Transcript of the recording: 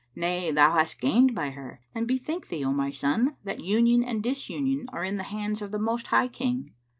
Nay, thou hast gained by her. And bethink thee, O my son, that Union and Disunion are in the hands of the Most High King."